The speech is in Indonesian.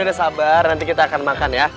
udah sabar nanti kita akan makan ya